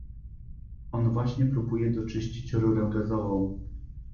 On właśnie próbuje doczyścić rurę gazową.